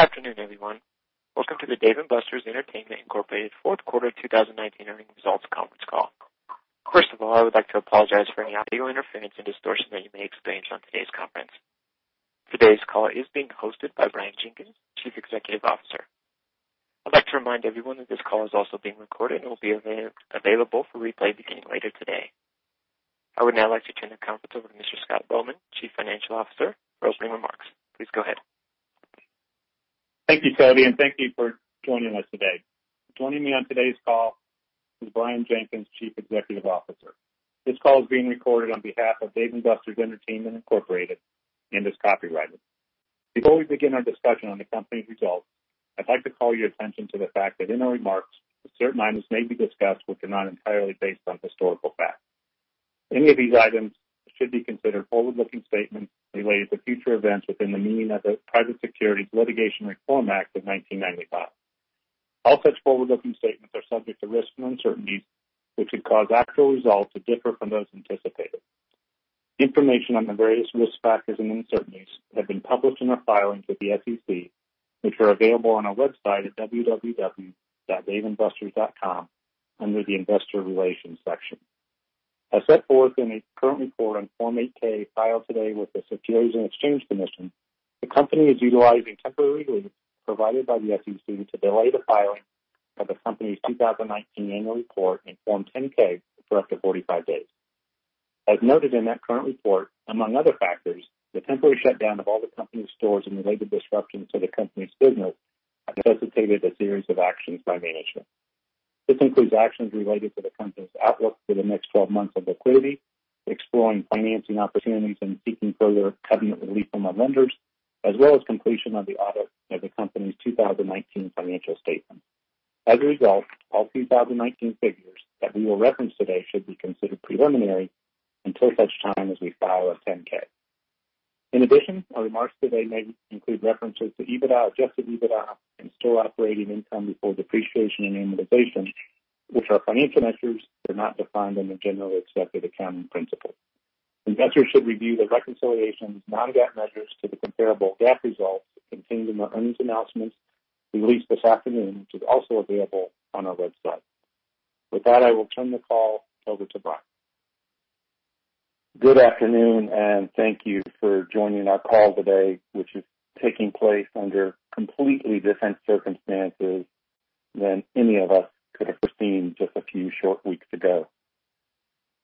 Good afternoon, everyone. Welcome to the Dave & Buster's Entertainment Incorporated. Fourth Quarter 2019 Earnings Results Conference Call. First of all, I would like to apologize for any audio interference and distortion that you may experience on today's conference. Today's call is being hosted by Brian Jenkins, Chief Executive Officer. I'd like to remind everyone that this call is also being recorded and will be available for replay beginning later today. I would now like to turn the conference over to Mr. Scott Bowman, Chief Financial Officer, for opening remarks. Please go ahead. Thank you, Cody, and thank you for joining us today. Joining me on today's call is Brian Jenkins, Chief Executive Officer. This call is being recorded on behalf of Dave & Buster's Entertainment, Inc. and is copyrighted. Before we begin our discussion on the company's results, I'd like to call your attention to the fact that in our remarks, certain items may be discussed which are not entirely based on historical fact. Any of these items should be considered forward-looking statements related to future events within the meaning of the Private Securities Litigation Reform Act of 1995. All such forward-looking statements are subject to risks and uncertainties, which could cause actual results to differ from those anticipated. Information on the various risk factors and uncertainties have been published in our filings with the SEC, which are available on our website at www.daveandbusters.com under the Investor Relations section. As set forth in the current report on Form 8-K filed today with the Securities and Exchange Commission, the company is utilizing temporary relief provided by the SEC to delay the filing of the company's 2019 annual report and Form 10-K for up to 45 days. As noted in that current report, among other factors, the temporary shutdown of all the company's stores and related disruptions to the company's business have necessitated a series of actions by management. This includes actions related to the company's outlook for the next 12 months of liquidity, exploring financing opportunities, and seeking further covenant relief from our lenders, as well as completion of the audit of the company's 2019 financial statements. As a result, all 2019 figures that we will reference today should be considered preliminary until such time as we file our 10-K. In addition, our remarks today may include references to EBITDA, Adjusted EBITDA, and store operating income before depreciation and amortization, which are financial measures that are not defined in the generally accepted accounting principles. Investors should review the reconciliations non-GAAP measures to the comparable GAAP results contained in our earnings announcements released this afternoon, which is also available on our website. With that, I will turn the call over to Brian. Good afternoon, and thank you for joining our call today, which is taking place under completely different circumstances than any of us could have foreseen just a few short weeks ago.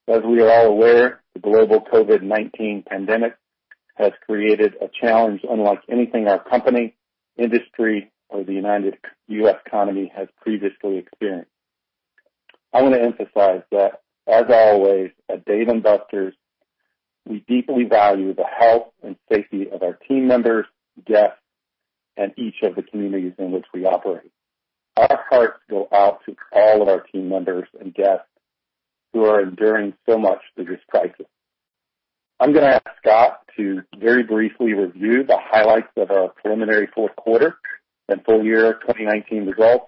As we are all aware, the global COVID-19 pandemic has created a challenge unlike anything our company, industry, or the United States economy has previously experienced. I want to emphasize that, as always, at Dave & Buster's, we deeply value the health and safety of our team members, guests, and each of the communities in which we operate. Our hearts go out to all of our team members and guests who are enduring so much through this crisis. I'm going to ask Scott to very briefly review the highlights of our preliminary fourth quarter and full year 2019 results.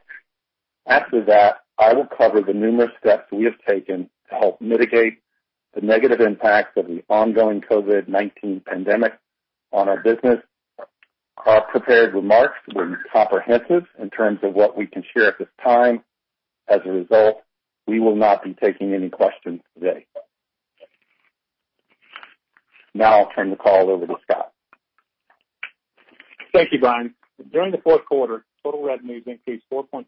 After that, I will cover the numerous steps we have taken to help mitigate the negative impacts of the ongoing COVID-19 pandemic on our business. Our prepared remarks were comprehensive in terms of what we can share at this time. As a result, we will not be taking any questions today. Now I'll turn the call over to Scott. Thank you, Brian. During the fourth quarter, total revenues increased 4.6%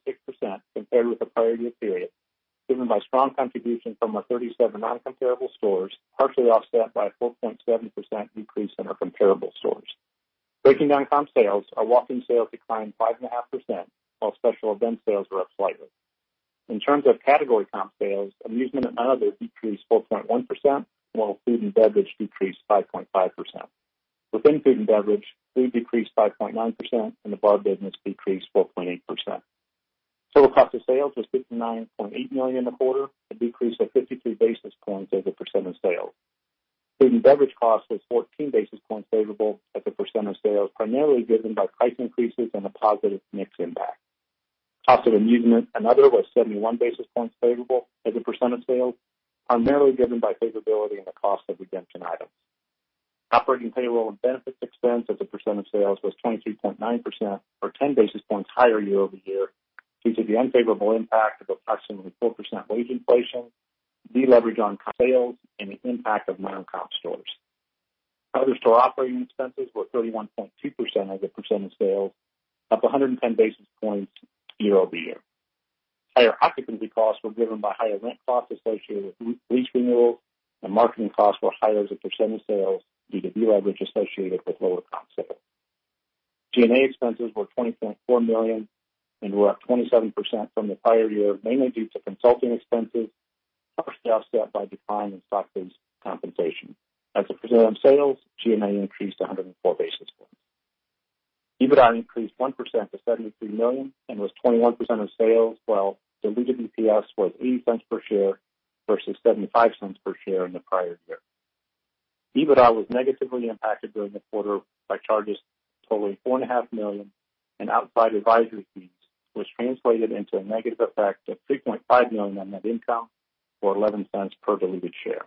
compared with the prior year period, driven by strong contribution from our 37 non-comparable stores, partially offset by a 4.7% decrease in our comparable stores. Breaking down comp sales, our walk-in sales declined 5.5%, while special event sales were up slightly. In terms of category comp sales, amusement and other decreased 4.1%, while food and beverage decreased 5.5%. Within food and beverage, food decreased 5.9%, and the bar business decreased 4.8%. Total cost of sales was $59.8 million in the quarter, a decrease of 53 basis points as a percent of sales. Food and beverage cost was 14 basis points favorable as a percent of sales, primarily driven by price increases and a positive mix impact. Cost of amusement and other was 71 basis points favorable as a % of sales, primarily driven by favorability in the cost of redemption items. Operating payroll and benefits expense as a % of sales was 22.9%, or 10 basis points higher year-over-year, due to the unfavorable impact of approximately 4% wage inflation, deleverage on comp sales, and the impact of non-comp stores. Other store operating expenses were 31.2% as a % of sales, up 110 basis points year-over-year. Higher occupancy costs were driven by higher rent costs associated with lease renewals, and marketing costs were higher as a % of sales due to deleverage associated with lower comp sales. G&A expenses were $20.4 million and were up 27% from the prior year, mainly due to consulting expenses, partially offset by decline in stock-based compensation. As a % of sales, G&A increased 104 basis points. EBITDA increased 1% to $73 million and was 21% of sales, while diluted EPS was $0.80 per share versus $0.75 per share in the prior year. EBITDA was negatively impacted during the quarter by charges totaling $4.5 million in outside advisory fees, which translated into a negative effect of $3.5 million on net income, or $0.11 per diluted share.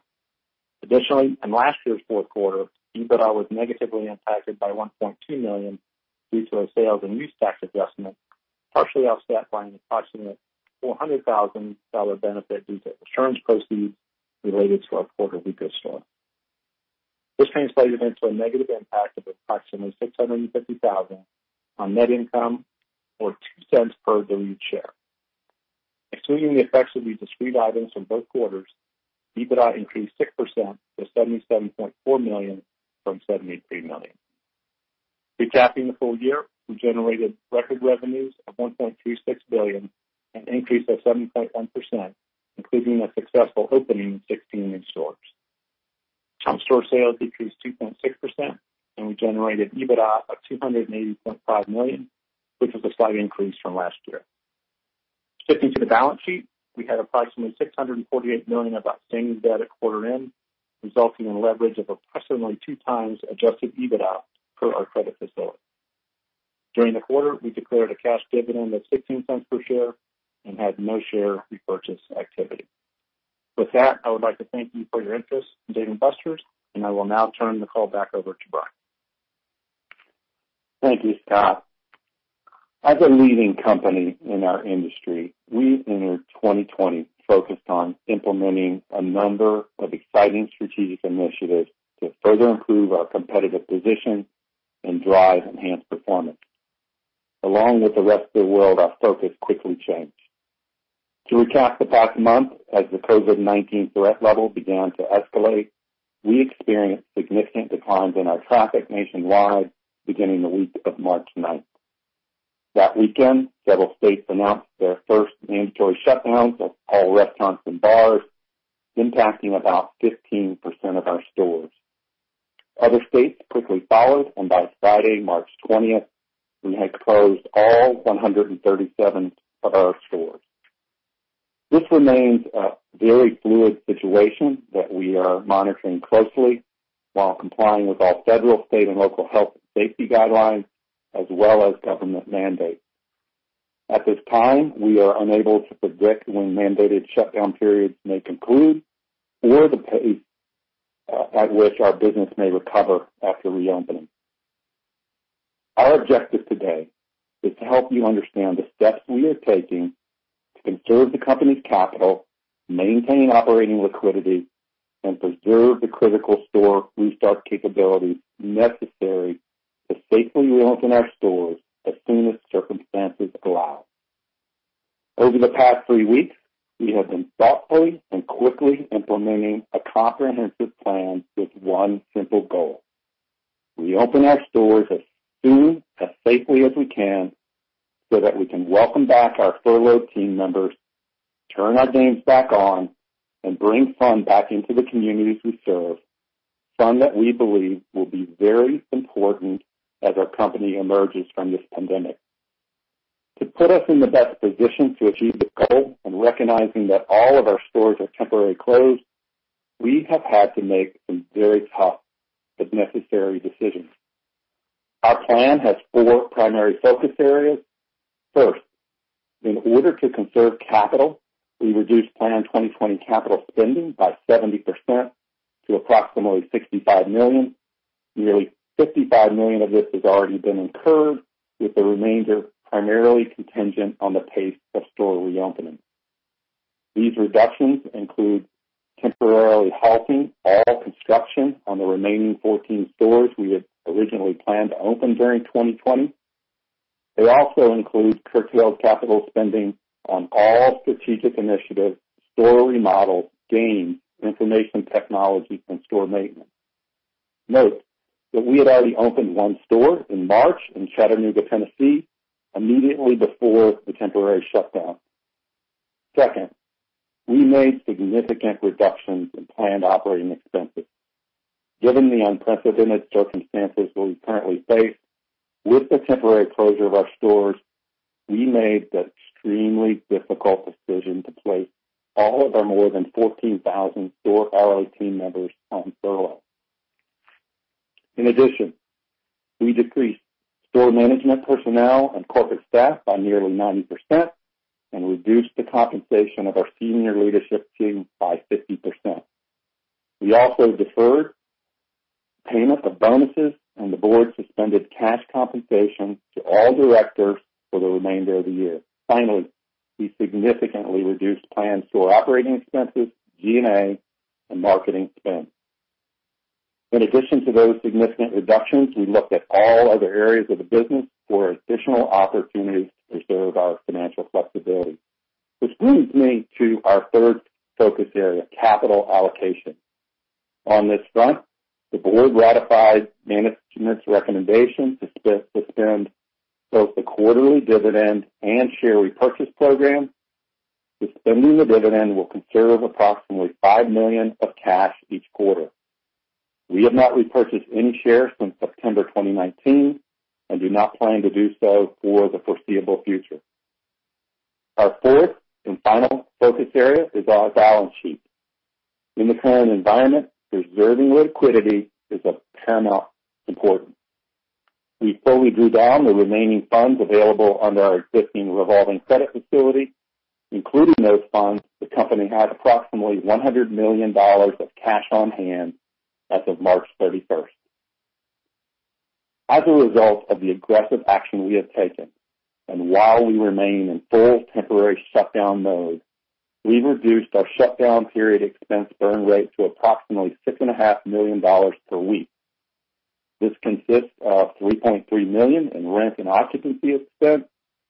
Additionally, in last year's fourth quarter, EBITDA was negatively impacted by $1.2 million due to a sales and use tax adjustment, partially offset by an approximate $400,000 benefit due to insurance proceeds related to our Puerto Rico store. This translated into a negative impact of approximately $650,000 on net income or $0.02 per diluted share. Excluding the effects of these discrete items from both quarters, EBITDA increased 6% to $77.4 million from $73 million. Recapping the full year, we generated record revenues of $1.26 billion, an increase of 7.1%, including a successful opening of 16 new stores. Comp store sales decreased 2.6%, and we generated EBITDA of $280.5 million, which was a slight increase from last year. Shifting to the balance sheet, we had approximately $648 million of outstanding debt at quarter end, resulting in leverage of approximately 2x Adjusted EBITDA per our credit facility. During the quarter, we declared a cash dividend of $0.16 per share and had no share repurchase activity. With that, I would like to thank you for your interest in Dave & Buster's, and I will now turn the call back over to Brian. Thank you, Scott. As a leading company in our industry, we entered 2020 focused on implementing a number of exciting strategic initiatives to further improve our competitive position and drive enhanced performance. Along with the rest of the world, our focus quickly changed. To recap the past month, as the COVID-19 threat level began to escalate, we experienced significant declines in our traffic nationwide beginning the week of March 9th. That weekend, several states announced their first mandatory shutdown of all restaurants and bars, impacting about 15% of our stores. Other states quickly followed, and by Friday, March 20th, we had closed all 137 of our stores. This remains a very fluid situation that we are monitoring closely while complying with all federal, state, and local health and safety guidelines, as well as government mandates. At this time, we are unable to predict when mandated shutdown periods may conclude or the pace at which our business may recover after reopening. Our objective today is to help you understand the steps we are taking to conserve the company's capital, maintain operating liquidity, and preserve the critical store restart capabilities necessary to safely reopen our stores as soon as circumstances allow. Over the past three weeks, we have been thoughtfully and quickly implementing a comprehensive plan with one simple goal: reopen our stores as soon as safely as we can so that we can welcome back our furloughed team members, turn our games back on, and bring fun back into the communities we serve. Fun that we believe will be very important as our company emerges from this pandemic. To put us in the best position to achieve this goal and recognizing that all of our stores are temporarily closed, we have had to make some very tough but necessary decisions. Our plan has four primary focus areas. First, in order to conserve capital, we reduced plan 2020 capital spending by 70% to approximately $65 million. Nearly $55 million of this has already been incurred, with the remainder primarily contingent on the pace of store reopening. These reductions include temporarily halting all construction on the remaining 14 stores we had originally planned to open during 2020. They also include curtailed capital spending on all strategic initiatives, store remodels, games, information technology, and store maintenance. Note that we had already opened one store in March in Chattanooga, Tennessee, immediately before the temporary shutdown. Second, we made significant reductions in planned operating expenses. Given the unprecedented circumstances that we currently face with the temporary closure of our stores, we made the extremely difficult decision to place all of our more than 14,000 store RO team members on furlough. In addition, we decreased store management personnel and corporate staff by nearly 90% and reduced the compensation of our senior leadership team by 50%. We also deferred payment of bonuses, and the board suspended cash compensation to all directors for the remainder of the year. Finally, we significantly reduced planned store operating expenses, G&A, and marketing spend. In addition to those significant reductions, we looked at all other areas of the business for additional opportunities to preserve our financial flexibility, which brings me to our third focus area, capital allocation. On this front, the board ratified management's recommendation to suspend both the quarterly dividend and share repurchase proram. Suspending the dividend will conserve approximately $5 million of cash each quarter. We have not repurchased any shares since September 2019 and do not plan to do so for the foreseeable future. Our fourth and final focus area is our balance sheet. In the current environment, preserving liquidity is of paramount importance. We fully drew down the remaining funds available under our existing revolving credit facility. Including those funds, the company had approximately $100 million of cash on hand as of March 31st. As a result of the aggressive action we have taken, and while we remain in full temporary shutdown mode, we reduced our shutdown period expense burn rate to approximately $6.5 million per week. This consists of $3.3 million in rent and occupancy expense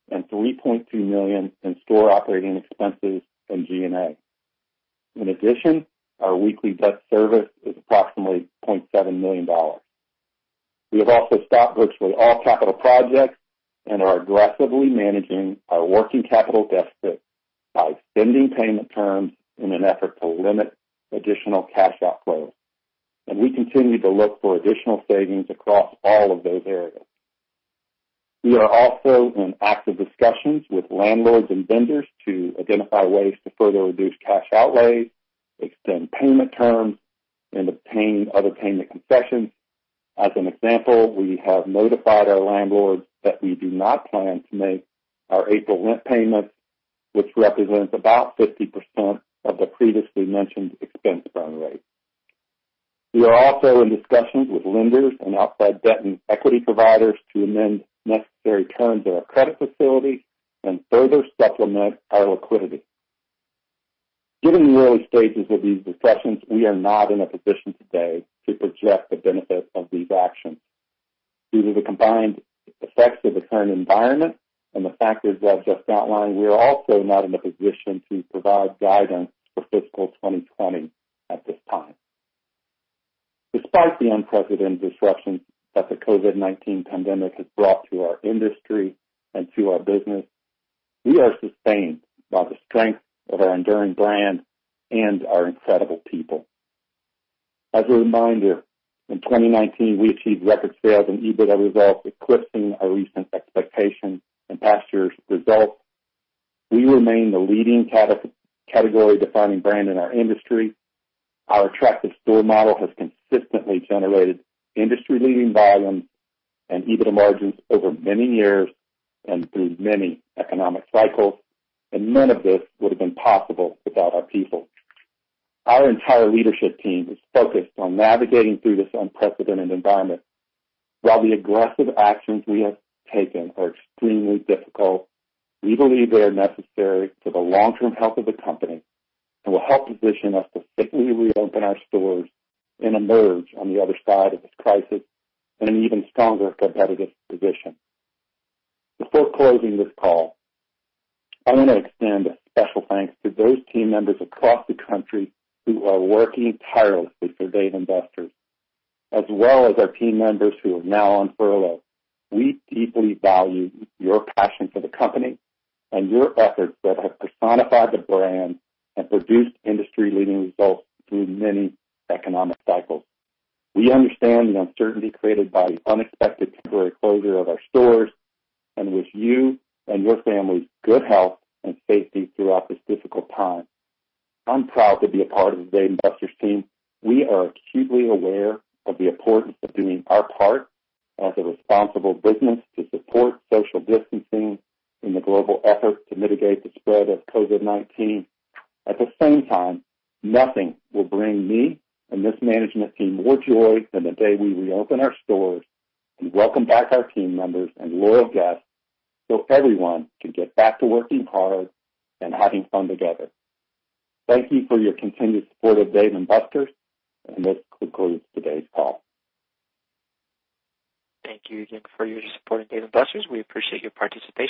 and $3.2 million in store operating expenses and G&A. In addition, our weekly debt service is approximately $0.7 million. We have also stopped virtually all capital projects and are aggressively managing our working capital deficit by extending payment terms in an effort to limit additional cash outflows. We continue to look for additional savings across all of those areas. We are also in active discussions with landlords and vendors to identify ways to further reduce cash outlays, extend payment terms, and obtain other payment concessions. As an example, we have notified our landlords that we do not plan to make our April rent payments, which represents about 50% of the previously mentioned expense burn rate. We are also in discussions with lenders and outside debt and equity providers to amend necessary terms of our credit facility and further supplement our liquidity. Given the early stages of these discussions, we are not in a position today to project the benefit of these actions. Due to the combined effects of the current environment and the factors I've just outlined, we are also not in a position to provide guidance for fiscal 2020 at this time. Despite the unprecedented disruption that the COVID-19 pandemic has brought to our industry and to our business, we are sustained by the strength of our enduring brand and our incredible people. As a reminder, in 2019, we achieved record sales and EBITDA results, eclipsing our recent expectations and past year's results. We remain the leading category-defining brand in our industry. Our attractive store model has consistently generated industry-leading volumes and EBITDA margins over many years and through many economic cycles, and none of this would have been possible without our people. Our entire leadership team is focused on navigating through this unprecedented environment. While the aggressive actions we have taken are extremely difficult, we believe they are necessary for the long-term health of the company and will help position us to safely reopen our stores and emerge on the other side of this crisis in an even stronger competitive position. Before closing this call, I want to extend a special thanks to those team members across the country who are working tirelessly for Dave & Buster's, as well as our team members who are now on furlough. We deeply value your passion for the company and your efforts that have personified the brand and produced industry-leading results through many economic cycles. We understand the uncertainty created by the unexpected temporary closure of our stores and wish you and your families good health and safety throughout this difficult time. I'm proud to be a part of the Dave & Buster's team. We are acutely aware of the importance of doing our part as a responsible business to support social distancing in the global effort to mitigate the spread of COVID-19. At the same time, nothing will bring me and this management team more joy than the day we reopen our stores and welcome back our team members and loyal guests, so everyone can get back to working hard and having fun together. Thank you for your continued support of Dave & Buster's, and this concludes today's call. Thank you again for your support of Dave & Buster's. We appreciate your participation